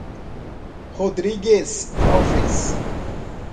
Rodrigues Alves